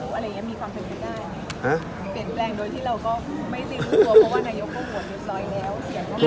เปลี่ยนแปลงโดยที่เราไม่รู้